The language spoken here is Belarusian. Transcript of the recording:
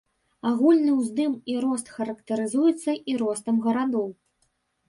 Агульны ўздым і рост характарызуецца і ростам гарадоў.